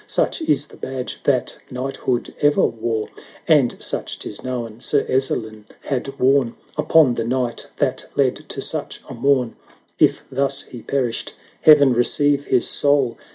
Such is the badge that Knighthood ever wore, And such 'tis known Sir Ezzelin had worn Upon the night that led to such a morn. If thus he perished. Heaven receive his soul